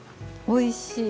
おいしい。